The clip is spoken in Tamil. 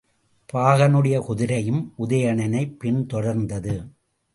பாகனுடைய குதிரையும் உதயணனைப் பின் தொடர்ந்தது.